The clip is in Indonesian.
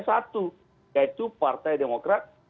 satu yaitu partai demokrat